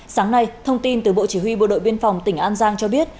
sáng nay thông tin từ bộ chỉ huy bộ đội biên phòng tỉnh an giang cho biết